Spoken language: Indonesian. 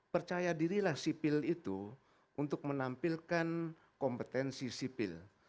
percaya dirilah sipil itu untuk menampilkan kompetensi sipil